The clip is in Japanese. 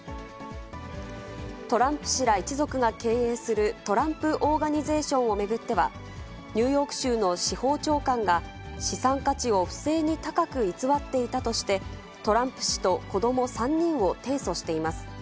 トランプ氏ら一族が経営するトランプ・オーガニゼーションを巡っては、ニューヨーク州の司法長官が、資産価値を不正に高く偽っていたとして、トランプ氏と子ども３人を提訴しています。